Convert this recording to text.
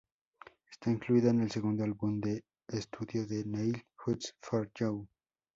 Está incluida en el segundo álbum de estudio de Neil, "Just for You".